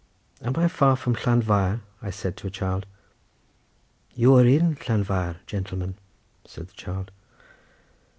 "Am I far from Llanfair?" said I to a child. "You are in Llanfair, gentleman," said the child.